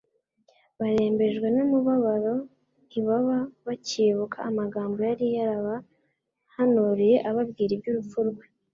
Barembejwe n'umubabaro ntibaba bacyibuka amagambo yari yarabahanuriye ababwira iby'urupfu rwe.